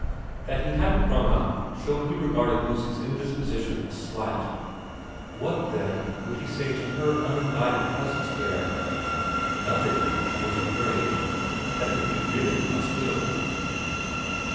That he hadn't rung up showed he regarded Lucy's indisposition as slight. What, then, would he say to her uninvited presence there ? Nothing, she was afraid, that would be really hospitable.